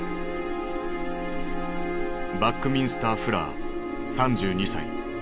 バックミンスター・フラー３２歳。